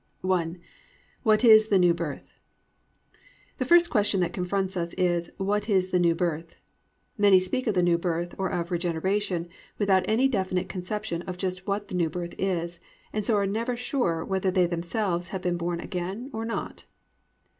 I. WHAT IS THE NEW BIRTH? The first question that confronts us is, What is the New Birth? Many speak of the New Birth or of Regeneration without any definite conception of just what the New Birth is, and so are never sure whether they themselves have been born again or not.